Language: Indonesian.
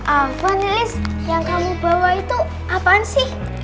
apa nih yang kamu bawa itu apaan sih